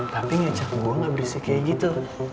tapi ngecap gua gak berisik kayak gitu